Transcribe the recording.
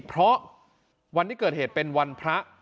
เพราะวันที่เกิดเหตุเป็นวันพระ